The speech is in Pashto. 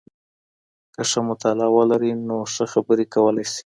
که ښه مطالعه ولرئ نو ښه خبري کولای سئ.